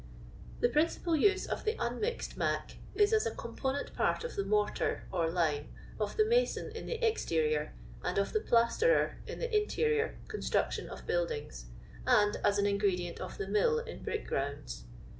The principal use of the unmixed "mac" is as a component part of the mortar, or lime, of the mason in the exterior, and of the plasterer in the interior, construction of buildings, and as an in gredient of the mill in brick grounds.